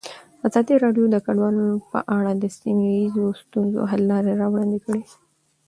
ازادي راډیو د کډوال په اړه د سیمه ییزو ستونزو حل لارې راوړاندې کړې.